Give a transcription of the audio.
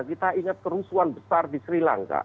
kita ingat kerusuhan besar di sri lanka